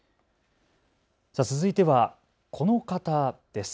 続いては、この方です。